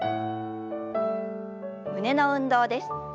胸の運動です。